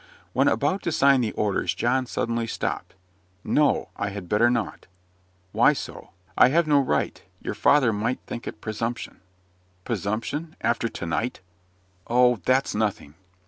When about to sign the orders, John suddenly stopped. "No; I had better not." "Why so?" "I have no right; your father might think it presumption." "Presumption? after to night!" "Oh, that's nothing!